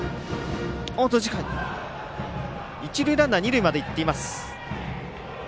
一塁ランナー二塁まで行っています。